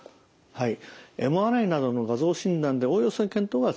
はい。